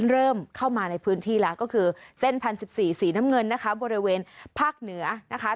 เริ่มเข้ามาในพื้นที่แล้วก็คือเส้นพันสิบสี่สีน้ำเงินนะคะบริเวณภาคเหนือนะคะ